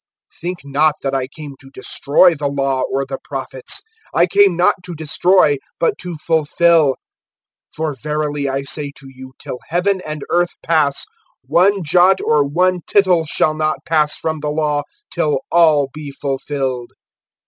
(17)Think not that I came to destroy the law, or the prophets; I came not to destroy, but to fulfill. (18)For verily I say to you, till heaven and earth pass, one jot or one tittle shall not pass from the law, till all be fulfilled.